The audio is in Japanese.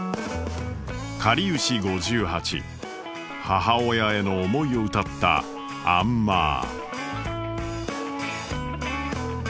母親への思いを歌った「アンマー」。